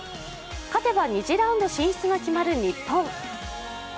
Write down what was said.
勝てば２次ラウンド進出が決まる日本。